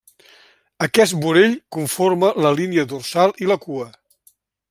Aquest vorell conforma la línia dorsal i la cua.